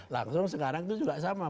langsung sekarang itu juga sama